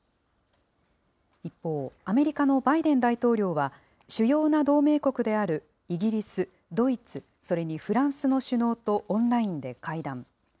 一方、アメリカのバイデン大統領は、主要な同盟国であるイギリス、ドイツ、それにフランスの首脳とオンラインで会談。